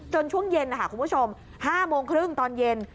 จนช่วงเย็นคุณผู้ชม๕๓๐นตอนเย็น